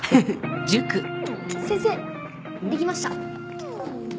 先生できました。